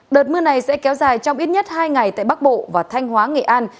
đợt mưa này sẽ kéo dài trong ít nhất hai ngày tại bắc bộ và thanh hóa nghệ an